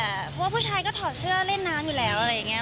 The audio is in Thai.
เพราะว่าผู้ชายก็ถอดเสื้อเล่นน้ำอยู่แล้วอะไรอย่างนี้